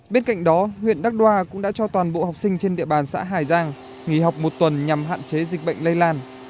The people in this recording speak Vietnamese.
bên cạnh đó huyện đắc đoa cũng đã cho toàn bộ học sinh trên địa bàn xã hải giang nghỉ học một tuần nhằm hạn chế dịch bệnh lây lan